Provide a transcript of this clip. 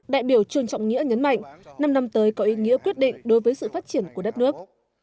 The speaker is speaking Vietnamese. đại biểu trương trọng nghĩa nhấn mạnh năm năm tới có ý nghĩa quyết định đối với sự phát triển của đất nước